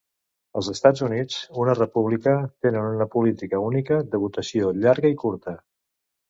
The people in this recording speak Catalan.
Els Estats Units, una república, tenen una política única de votació llarga i curta.